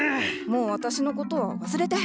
もう私のことは忘れて。